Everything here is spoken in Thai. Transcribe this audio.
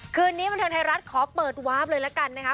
คืนนี้บันเทิงไทยรัฐขอเปิดวาร์ฟเลยละกันนะคะ